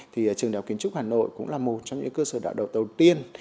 thì trường đại học kiến trúc hà nội cũng là một trong những cơ sở đạo đầu tiên